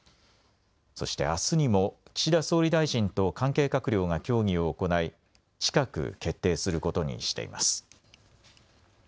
そしてあすにも岸田総理大臣と関係閣僚が協議を行い近く決定することにしています。